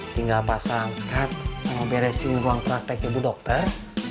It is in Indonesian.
tinggal pasang skat sama beresin ruang praktek ya bu dokter